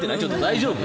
大丈夫？